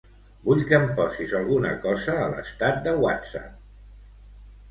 Vull que em posis alguna cosa a l'estat de Whatsapp.